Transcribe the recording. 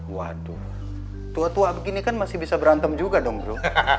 waduh tua tua begini kan masih bisa berantem juga dong bro